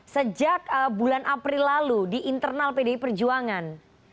sejak bulan april lalu di internal pdi perjuangan